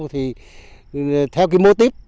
theo cái mô típ